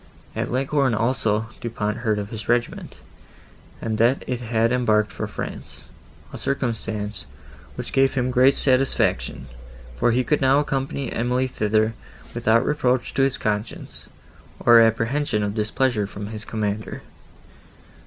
At Leghorn also, Du Pont heard of his regiment, and that it had embarked for France; a circumstance, which gave him great satisfaction, for he could now accompany Emily thither, without reproach to his conscience, or apprehension of displeasure from his commander.